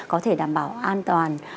có thể đảm bảo an toàn